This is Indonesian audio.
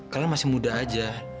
kalian masih muda aja